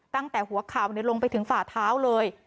ตั้งแต่หัวเข่าลงไปถึงฝ่าเท้าเลย